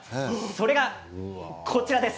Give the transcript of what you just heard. それがこちらです。